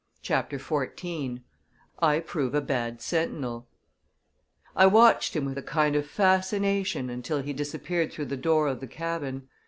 CHAPTER XIV I Prove a Bad Sentinel I watched him with a kind of fascination until he disappeared through the door of the cabin.